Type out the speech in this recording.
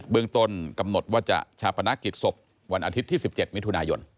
เรื่องต้นกำหนดว่าจะชาปนกิจศพวันอาทิตย์ที่๑๗มิถุนายน